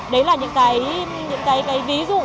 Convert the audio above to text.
đấy là những cái ví dụ